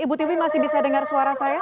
ibu tiwi masih bisa dengar suara saya